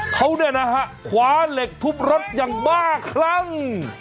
เขาเนี่ยนะฮะคว้าเหล็กทุบรถอย่างบ้าคลั่ง